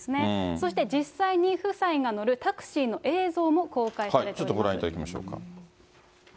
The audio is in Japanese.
そして実際に夫妻が乗るタクシーちょっとご覧いただきましょうか。